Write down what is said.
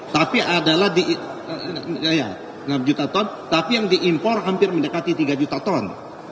tapi adalah di enam juta ton tapi yang diimpor hampir mendekati tiga juta ton